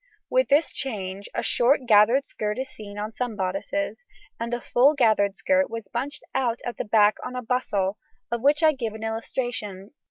With this change a short gathered skirt is seen on some bodices, and the full gathered skirt was bunched out at the back on a bustle, of which I give an illustration (p.